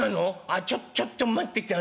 あっちょっちょっと待ってて。